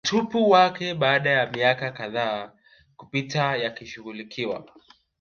utupu wake baada ya miaka kadhaa kupita yakishughulikiwa